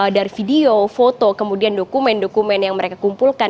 dari video foto kemudian dokumen dokumen yang mereka kumpulkan